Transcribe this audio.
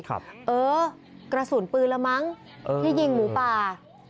กระสุนปืนละมั้งที่ยิงหมูป่า